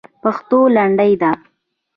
پښتو لنډۍ ده.